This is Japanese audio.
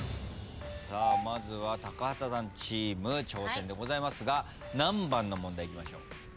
まずは高畑さんチーム挑戦でございますが何番の問題いきましょう？